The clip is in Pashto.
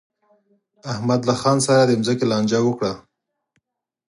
احمد له خان سره د ځمکې لانجه وکړه.